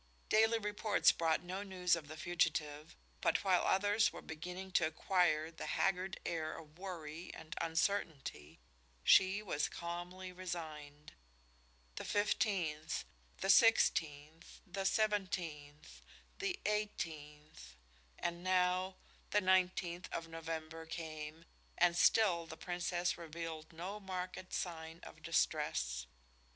Daily reports brought no news of the fugitive, but while others were beginning to acquire the haggard air of worry and uncertainty, she was calmly resigned. The fifteenth, the sixteenth, the seventeenth, the eighteenth and now the nineteenth of November came and still the Princess revealed no marked sign of distress.